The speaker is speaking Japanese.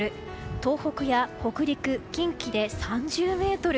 東北や北陸、近畿で３０メートル。